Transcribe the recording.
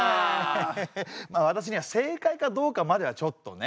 まあ私には正解かどうかまではちょっとね。